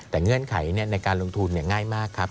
แต่เงื่อนไขในการลงทุนง่ายมากครับ